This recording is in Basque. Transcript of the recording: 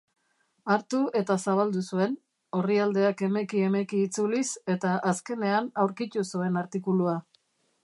Hartu eta zabaldu zuen, orrialdeak emeki-emeki itzuliz eta azkenean aurkitu zuen artikulua.